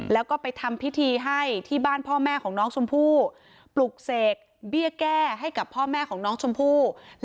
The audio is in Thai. แล้วก็ไปทำพิธีให้ที่บ้านพ่อแม่ของน้องชมพู่ปลุกเสกเบี้ยแก้ให้กับพ่อแม่ของน้องชมพู่